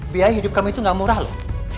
biaya hidup kamu itu nggak murah loh